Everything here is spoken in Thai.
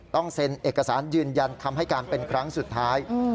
ต้องเซ็นเอกสารยืนยันคำให้การเป็นครั้งสุดท้าย